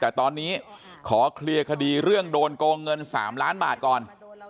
แต่ตอนนี้ขอเคลียร์คดีเรื่องโดนโกงเงิน๓ล้านบาทก่อน